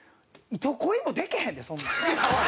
いとこいもでけへんでそんなん。